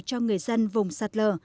cho người dân vùng sạt lở